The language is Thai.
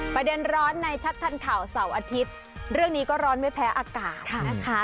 ประเด็นร้อนในชัดทันข่าวเสาร์อาทิตย์เรื่องนี้ก็ร้อนไม่แพ้อากาศนะคะ